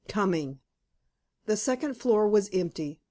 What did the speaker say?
COMING The second floor was empty.